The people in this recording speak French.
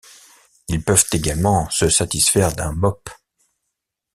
Ils peuvent également se satisfaire d'un mop.